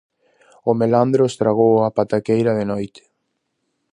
O melandro estragou a pataqueira de noite.